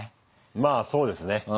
まあそうですね。